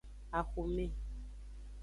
Axome.